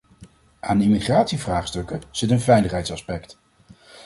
Aan immigratievraagstukken zit een veiligheidsaspect.